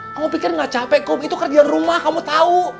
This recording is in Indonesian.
kamu pikir nggak capek kok itu kerjaan rumah kamu tahu